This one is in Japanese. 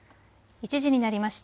１時になりました。